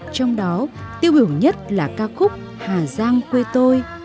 trong đó tiêu biểu nhất là ca khúc hà giang quê tôi